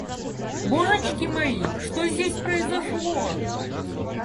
Божечки мои, что здесь произошло?